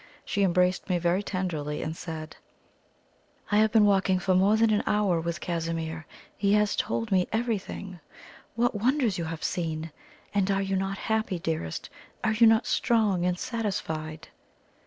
She embraced me very tenderly, and said: "I have been talking for more than an hour with Casimir. He has told me everything. What wonders you have seen! And are you not happy, dearest? Are you not strong and satisfied?"